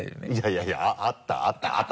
いやいや「あったあったあた」